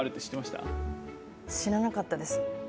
知らなかったです。